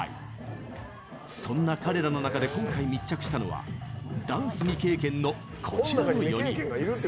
そんな彼らの中で今回密着したのはダンス未経験の、こちらの４人。